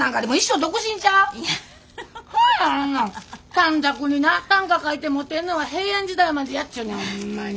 短冊にな短歌書いてモテんのは平安時代までやっちゅうねんホンマに。